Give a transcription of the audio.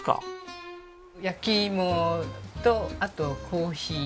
焼き芋とあとコーヒー。